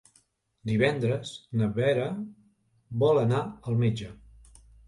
Divendres na Vera vol anar al metge.